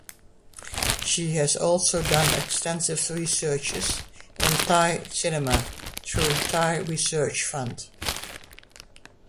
She has also done extensive researches in Thai cinema through Thai Research Fund.